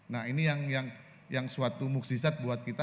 nah ini yang suatu muksizat buat kita